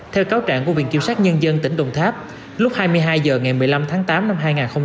theo cáo trạng của viện kiểm sát nhân dân tỉnh đồng tháp lúc hai mươi hai h ngày một mươi năm tháng tám năm hai nghìn hai mươi ba